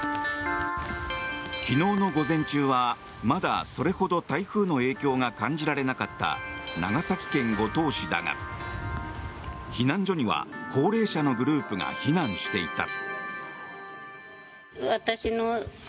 昨日の午前中はまだそれほど台風の影響が感じられなかった長崎県五島市だが避難所には高齢者のグループが避難していた。